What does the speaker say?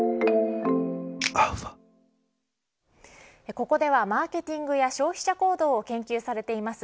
ここではマーケティングや消費者行動を研究されています